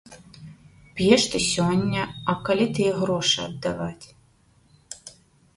П'еш ты сёння, а калі тыя грошы аддаваць?